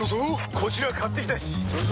こちら買ってきたしどうぞ。